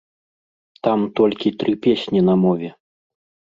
Там толькі тры песні на мове.